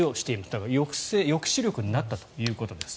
だから抑止力になったということです。